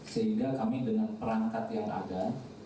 sehingga kami dengan perangkat yang ada